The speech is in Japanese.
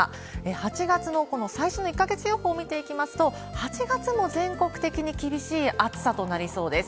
８月のこの最新の１か月予報見ていきますと、８月も全国的に厳しい暑さとなりそうです。